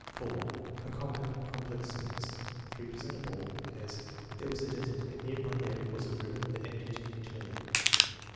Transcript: (4) A compound, complex sentence (3 per cent of all); as: "There was a desert, and near by there was a river that emptied into a lake."